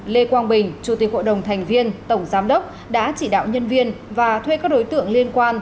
lê quang bình chủ tịch hội đồng thành viên tổng giám đốc đã chỉ đạo nhân viên và thuê các đối tượng liên quan